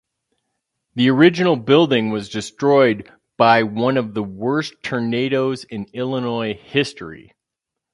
The original building was destroyed by one of the worst tornadoes in Illinois history.